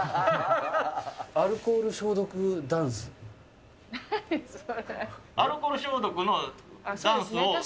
アルコール消毒ダンス。